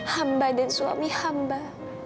hamba dan suami hamba